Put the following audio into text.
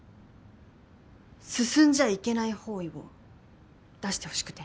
進んじゃいけない方位を出して欲しくて。